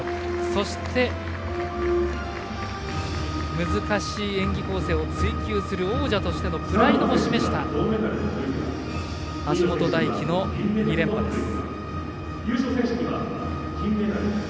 そして難しい演技構成を追求する王者としてのプライドも示した橋本大輝の２連覇です。